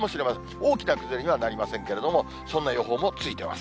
大きな崩れにはなりませんけれども、そんな予報もついてます。